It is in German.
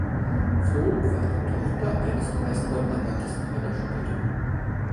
Flon war die Tochter eines Eisenbahnarbeiters und einer Schneiderin.